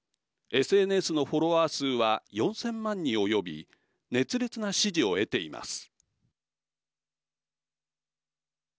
ＳＮＳのフォロワー数は４０００万に及び熱烈な支持を得ています。